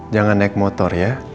jangan naik motor ya